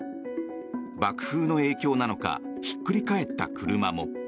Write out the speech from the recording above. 爆風の影響なのかひっくり返った車も。